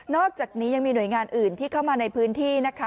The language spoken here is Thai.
อกจากนี้ยังมีหน่วยงานอื่นที่เข้ามาในพื้นที่นะคะ